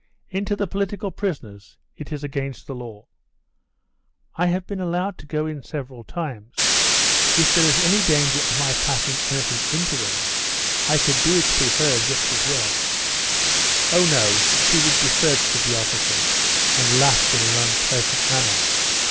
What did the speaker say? "In to the political prisoners? It is against the law." "I have been allowed to go in several times. If there is any danger of my passing anything in to them I could do it through her just as well." "Oh, no; she would be searched," said the officer, and laughed in an unpleasant manner.